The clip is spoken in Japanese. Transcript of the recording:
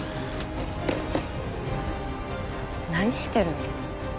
何してるの？